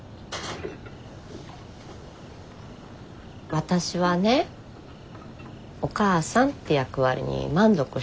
わたしはね「お母さん」って役割に満足してる。